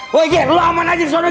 weh gary lo aman aja disana gary